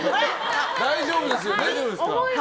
大丈夫ですよね。